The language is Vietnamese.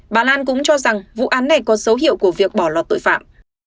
bà lan cũng cho rằng vụ án này có dấu hiệu của việc bỏ lọt tội phạm